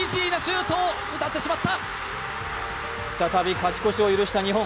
再び勝ち越しを許した日本。